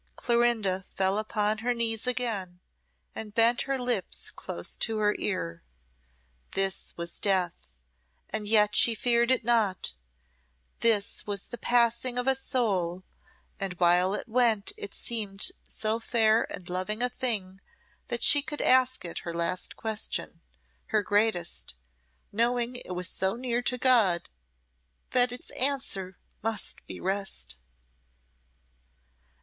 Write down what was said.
Clorinda fell upon her knees again and bent her lips close to her ear. This was death, and yet she feared it not this was the passing of a soul, and while it went it seemed so fair and loving a thing that she could ask it her last question her greatest knowing it was so near to God that its answer must be rest.